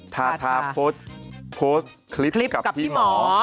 ทาทาโพสต์คลิปกับพี่หมอ